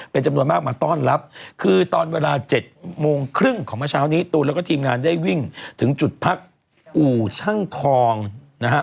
เป็นจำนวนมากมาต้อนรับคือตอนเวลาเจ็ดโมงครึ่งของเมื่อเช้านี้ตูนแล้วก็ทีมงานได้วิ่งถึงจุดพักอู่ช่างทองนะฮะ